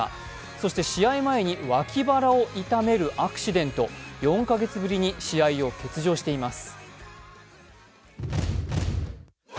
そして試合前に脇腹を痛めるアクシデント４か月ぶりに試合を欠場しています。